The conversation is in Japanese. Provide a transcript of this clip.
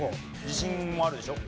自信もあるでしょ？